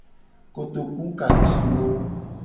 Kotoku ka ci wo.